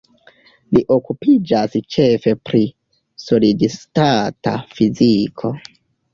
Li okupiĝas ĉefe pri solid-stata fiziko.